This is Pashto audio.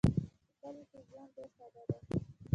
په کلیو کې ژوند ډېر ساده دی.